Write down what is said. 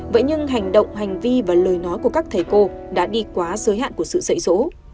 vậy nhưng hành động hành vi và lời nói của các thầy cô đã đi quá giới hạn của sự dạy dỗ